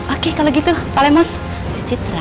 oke kalau begitu pak lemos citra